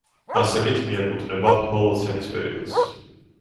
ასაკით მიკეუთვნება ჰოლოცენის პერიოდს.